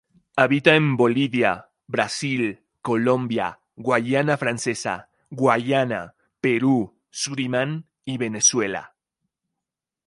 Habita en Bolivia, Brasil, Colombia, Guayana Francesa, Guayana, Perú, Surinam y Venezuela.